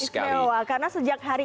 karena sejak hari